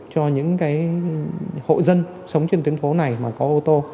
cho những hộ dân sống trên tuyến phố này mà có ô tô